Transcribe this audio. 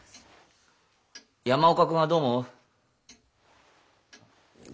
山岡君はどう思う？